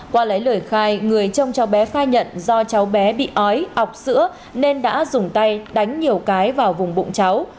qua lấy lời khai người trông cháu bé khai nhận do cháu bé bị ói ọc sữa nên đã dùng tay đánh nhiều cái vào vùng bụng cháu